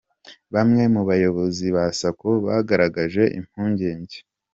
Bamwe mu bayobozi ba Sacco bagaragaje impungenge.